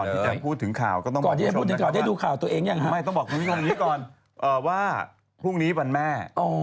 ก่อนที่จะพูดถึงข่าวก็ต้องบอกผู้ชมว่าว่าพรุ่งนี้วันแม่